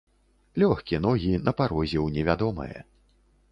Лёгкі ногі на парозе ў невядомае.